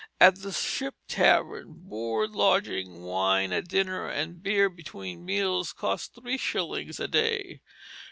At the Ship Tavern, board, lodging, wine at dinner, and beer between meals cost three shillings a day.